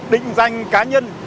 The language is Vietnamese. định danh cá nhân